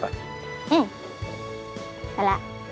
ไปไป